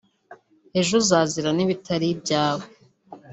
ejo uzazira n’ibitari ibyawe